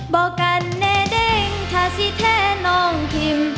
บอกกันแน่เด้งถ้าสิแท้น้องคิม